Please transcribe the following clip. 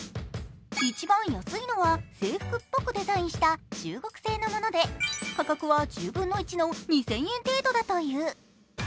一番安いのは制服っぽくデザインした中国製のもので価格は１０分の１の２０００円程度だという。